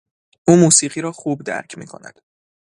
او موسیقی را خوب درک می کند.